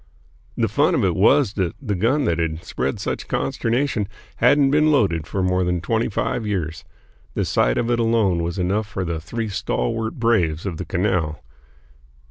The fun of it was that the gun that had spread such consternation hadn't been loaded for more than twenty five years. The sight of it alone was enough for the three stalwart braves of the canal.